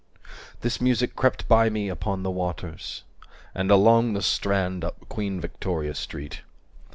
"This music crept by me upon the waters" And along the Strand, up Queen Victoria Street.